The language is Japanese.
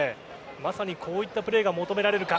まさにこういったプレーが求められるか。